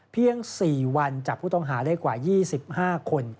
๔วันจับผู้ต้องหาได้กว่า๒๕คน